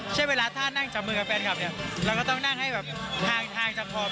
เช่นเวลาถ้านั่งจากมือแฟนคลับเนี่ยเราก็ต้องนั่งให้ทางจากขอบใจครับ